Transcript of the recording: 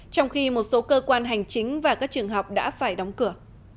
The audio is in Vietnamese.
trong khi một số cơ quan hành chính và các trường học đã phải đóng cửa